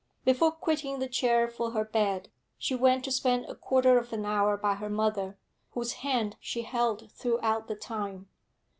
Before quitting the chair for her bed, she went to spend a quarter of an hour by her mother, whose hand she held throughout the time.